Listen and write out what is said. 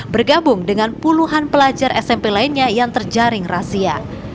bergabung dengan puluhan pelajar smp lainnya yang terjaring razia